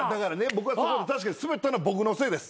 僕がそこで確かにスベったのは僕のせいです。